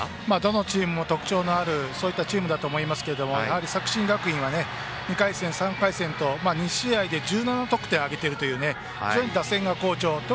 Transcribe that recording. どのチームも特徴のあるチームだと思いますがやはり作新学院は２回戦、３回戦と２試合で１７得点を挙げているという非常に打線が好調。